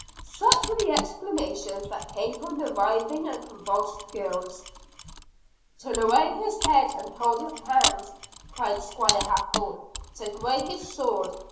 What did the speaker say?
Such were the exclamations that came from the writhing and convulsed girls. "Turn away his head! and hold his hands!" cried Squire Hathorne. "Take away his sword!"